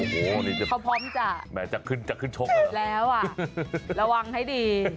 โอ้โหนี่จะแม่จะขึ้นชกเลยหรอแล้วอ่ะระวังให้ดี